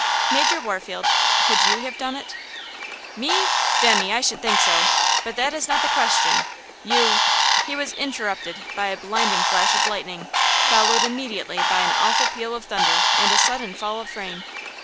"Major Warfield, could you have done it?" "Me? Demmy, I should think so; but that is not the question! You–" He was interrupted by a blinding flash of lightning, followed immediately by an awful peal of thunder and a sudden fall of rain.